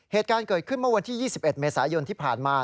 เหตุการณ์เกิดขึ้นเมื่อวันที่๒๑เมษายนที่ผ่านมา